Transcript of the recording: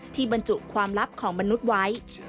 บรรจุความลับของมนุษย์ไว้